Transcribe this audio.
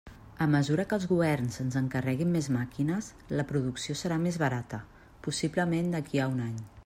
A mesura que els governs ens encarreguin més màquines, la producció serà més barata, possiblement d'aquí a un any.